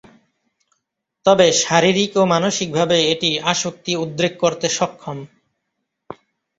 তবে শারীরিক ও মানসিকভাবে এটি আসক্তি উদ্রেক করতে সক্ষম।